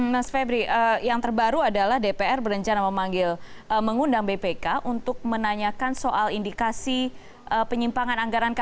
mas febri yang terbaru adalah dpr berencana memanggil mengundang bpk untuk menanyakan soal indikasi penyimpangan anggaran kpk